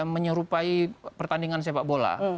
menyerupai pertandingan sepak bola